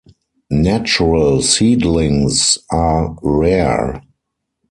Natural seedlings are rare.